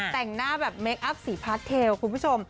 แต่งหน้าแบบเมคอัพสีพาร์ทเทลคุณผู้ชม